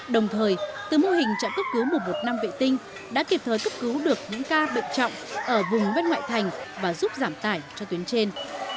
đồng thời từ mô hình trạm cấp cứu mùa một năm vệ tinh đã kịp thời cấp cứu được những ca bệnh trọng ở vùng vết ngoại thành và giúp giảm tải cho tuyến trên